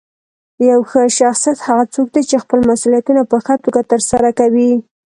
یو ښه شخصیت هغه څوک دی چې خپل مسؤلیتونه په ښه توګه ترسره کوي.